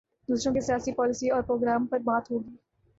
دوسروں کی سیاسی پالیسی اور پروگرام پر بات ہو گی۔